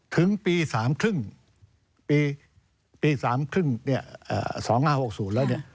ถึงปีสามครึ่งปีสามครึ่ง๒๕๖๐แล้ว